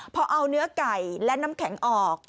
พอเอาเนื้อไก่และน้ำแข็งออก